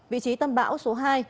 vị trí tâm bão số hai